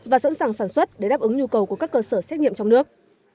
và sẵn sàng sản xuất để đáp ứng nhu cầu của các cơ sở xét nghiệm trong nước